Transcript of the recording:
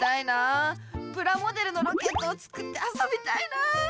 プラモデルのロケットを作ってあそびたいな。